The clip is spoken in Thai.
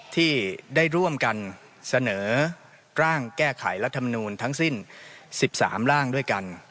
ที่ได้ร่วมกันเสนอร่างแก้ไขรัฐมนูลทั้งสิ้น๑๓ร่างด้วยกัน